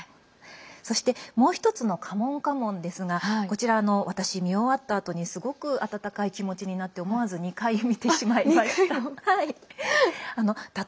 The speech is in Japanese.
そして、もう１つの「カモンカモン」ですがこちら私、見終わったあとにすごく温かい気持ちになって思わず２回、見てしまいました。